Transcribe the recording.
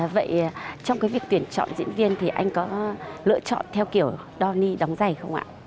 vậy trong việc tuyển chọn diễn viên thì anh có lựa chọn theo kiểu đo ni đóng giày không ạ